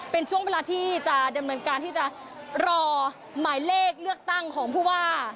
เป็นช่วงเวลาที่จะดำเนินการที่จะรอหมายเลขเลือกตั้งของผู้ว่า